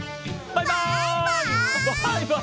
バイバイ！